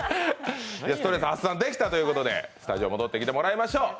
ストレス発散できたということでスタジオ戻ってきてもらいましょう。